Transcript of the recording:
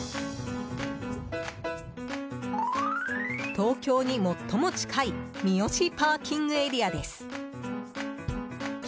東京に最も近い三芳ＰＡです。